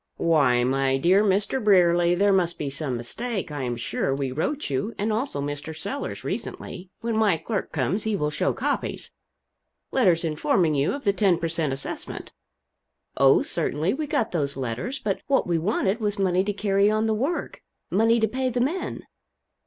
"Why, my dear Mr. Brierly, there must be some mistake, I am sure we wrote you and also Mr. Sellers, recently when my clerk comes he will show copies letters informing you of the ten per cent. assessment." "Oh, certainly, we got those letters. But what we wanted was money to carry on the work money to pay the men."